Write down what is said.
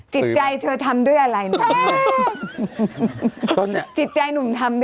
จิตใจที่เธอทำด้วยอะไรนะ